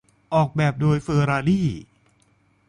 ที่ออกแบบโดยเฟอรารี่